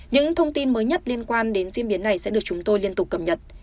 những thông tin mới nhất liên quan đến diễn biến này sẽ được chúng tôi liên tục cập nhật